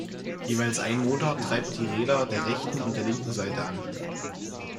Jeweils ein Motor treibt die Räder der rechten und der linken Seite an.